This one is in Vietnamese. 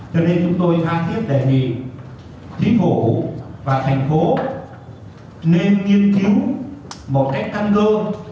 cho nên chúng tôi thay thiết để nhìn thí phủ và thành phố nên nghiên cứu một cách căn cơ